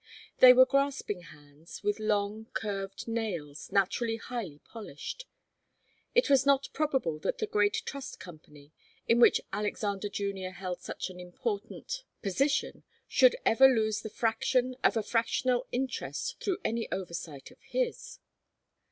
They were grasping hands, with long, curved nails, naturally highly polished. It was not probable that the great Trust Company, in which Alexander Junior held such an important position, should ever lose the fraction of a fractional interest through any oversight of his.